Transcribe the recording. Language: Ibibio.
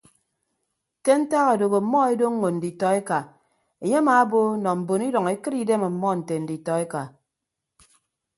Ke ntak adooho ọmmọ edoñño nditọ eka enye amaabo nọ mbon idʌñ ekịt idem ọmmọ nte nditọeka.